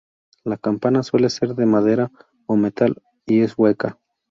La campana suele ser de madera o metal y es hueca.